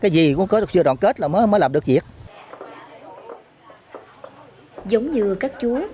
giống như các chú